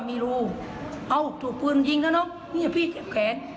มีรูเอ้าถูกปืนยิงแล้วเนอะเนี่ยพี่เจ็บแขน